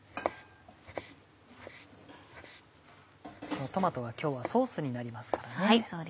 このトマトが今日はソースになりますからね。